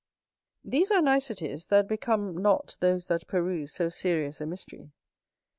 These are niceties that become not those that peruse so serious a mystery.